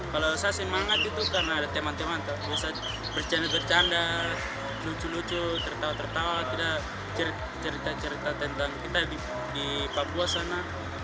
kalau saya semangat itu karena ada teman teman bisa bercanda bercanda lucu lucu tertawa tertawa kita cerita cerita tentang kita di papua sana